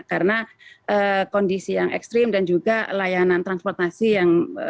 karena kondisi yang ekstrim dan juga layanan transportasi yang